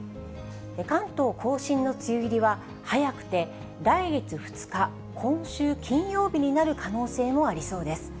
関東甲信の梅雨入りは、早くて来月２日、今週金曜日になる可能性もありそうです。